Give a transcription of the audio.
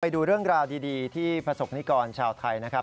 ดูเรื่องราวดีที่ประสบนิกรชาวไทยนะครับ